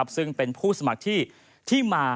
ซึ่งเป็นผู้สมัครที่มา